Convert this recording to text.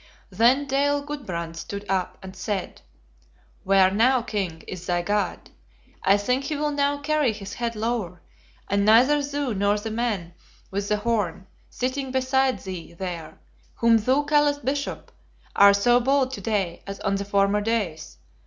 "Then Dale Gudbrand stood up and said, 'Where now, king, is thy God? I think he will now carry his head lower; and neither thou, nor the man with the horn, sitting beside thee there, whom thou callest Bishop, are so bold to day as on the former days.